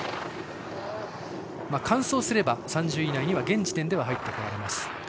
完走すれば３０位以内には現時点では入ってこられます。